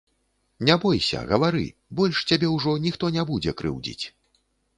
Не бойся, гавары, больш цябе ўжо ніхто не будзе крыўдзіць.